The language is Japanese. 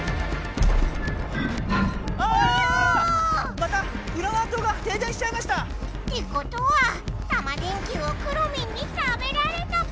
またフラワー島がてい電しちゃいました！ってことはタマ電Ｑをくろミンに食べられたぽよ！